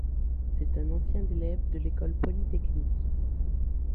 C'est un ancien élève de l'École polytechnique.